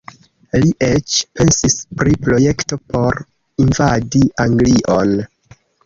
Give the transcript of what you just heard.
Li eĉ pensis pri projekto por invadi Anglion.